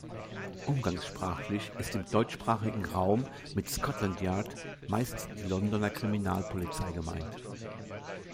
Umgangssprachlich ist im deutschsprachigen Raum mit „Scotland Yard“ meist die Londoner Kriminalpolizei gemeint.